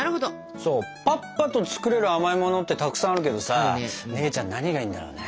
そうパッパと作れる甘いものってたくさんあるけどさ姉ちゃん何がいいんだろうね。